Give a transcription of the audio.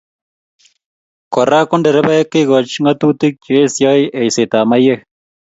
Kora ko nderebaek kekoch ngatutik che esioi eisetab maiywek